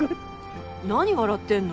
何笑ってんの？